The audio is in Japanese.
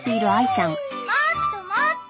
もっともっと。